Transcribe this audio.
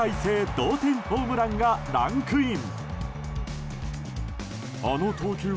同点ホームランがランクイン。